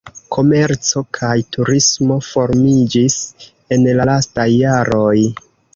Komerco kaj turismo formiĝis en la lastaj jaroj.